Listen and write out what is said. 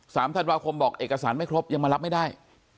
สามธันวาคมบอกเอกสารไม่ครบยังมารับไม่ได้